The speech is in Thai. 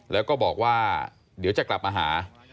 แล้วก็บอกว่าเดี๋ยวจะกลับมาหา